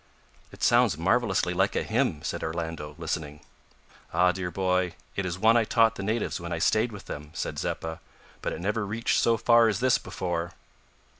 "It sounds marvellously like a hymn," said Orlando, listening. "Ah! dear boy, it is one I taught the natives when I stayed with them," said Zeppa; "but it never reached so far as this before."